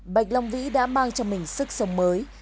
bạch long vĩ đã mang cho mình sức sống mới